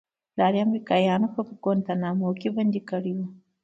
پلار يې امريکايانو په گوانټانامو کښې بندي کړى و.